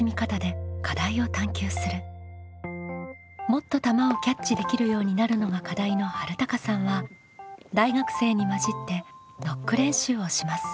「もっと球をキャッチできるようになる」のが課題のはるたかさんは大学生に交じってノック練習をします。